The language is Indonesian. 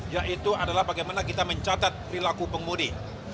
yaitu adalah bagaimana kita mencatat perilaku pengemudi